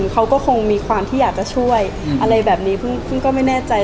เขาก็คงมีความที่อยากจะช่วยอะไรแบบนี้เพิ่งก็ไม่แน่ใจ